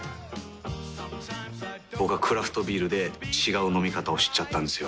僕はクラフトビールで違う飲み方を知っちゃったんですよ。